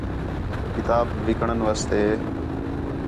کتاب وکݨ واسطے